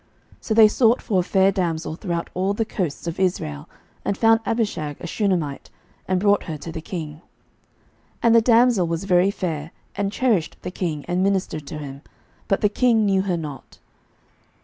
11:001:003 So they sought for a fair damsel throughout all the coasts of Israel, and found Abishag a Shunammite, and brought her to the king. 11:001:004 And the damsel was very fair, and cherished the king, and ministered to him: but the king knew her not.